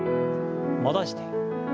戻して。